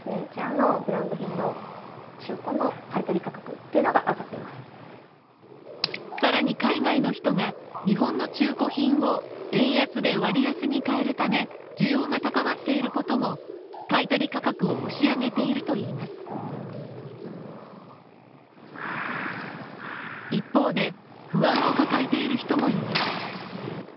なのでさらに海外の人が日本の中古品を円安で割安に買えるため需要が高まっていることも買い取り価格を押し上げているといいます一方で、不安を抱えている人もいます。